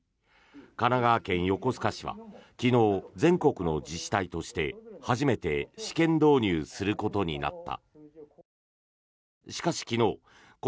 神奈川県横須賀市は昨日、全国の自治体として初めて試験導入することになった。